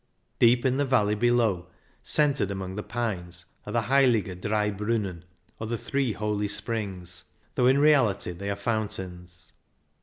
Deep in the valley below, centred among the pines, are the Heilige Drei Brunnen, or " Three Holy Springs," though in reality they are fountains.